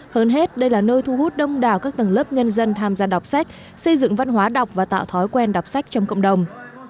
hơn hết đây là nơi thu hút đông đào các tầng lớp nhân dân tham gia đọc sách xây dựng văn hóa đọc và tạo thói quen đọc sách trong cộng đồng